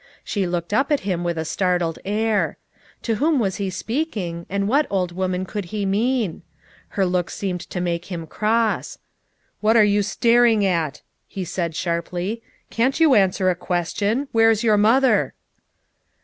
She looked up at him with a startled air. To whom was he speak ing and what old woman could he mean ? Her look seemed to make him cross. " What are you staring at ?" he said sharply. " Can't you answer a question? Where's your mother?"